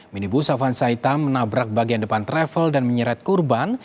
minibus avanza hitam menabrak bagian depan travel dan menyeret korban